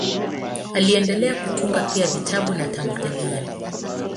Aliendelea kutunga pia vitabu na tamthiliya.